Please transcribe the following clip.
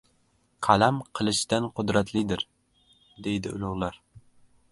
«Qalam qilichdan qudratlidir» deydi ulug‘lar.